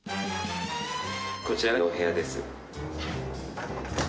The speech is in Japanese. こちらのお部屋です。